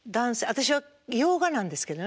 私は洋画なんですけどね